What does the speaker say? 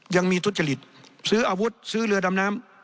ยังมีทุษฎฤษซื้ออาวุธซื้อเรือดำน้ำ